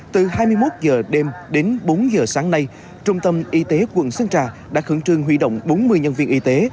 từ hai mươi một h đêm đến bốn giờ sáng nay trung tâm y tế quận sơn trà đã khẩn trương huy động bốn mươi nhân viên y tế